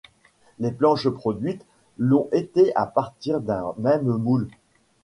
Les planches produites l’ont été à partir d’un même moule.